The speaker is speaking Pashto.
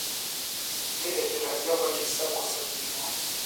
د اعتراضیه غونډې سخت غوسه کړي وو.